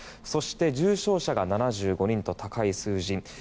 そして重症者が７５人と高い数字。